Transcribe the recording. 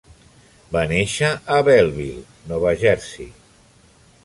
Va néixer a Belleville, Nova Jersey.